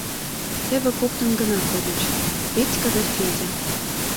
Теве коктын гына кодыч: Петька да Федя.